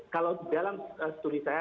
kalau dalam studi saya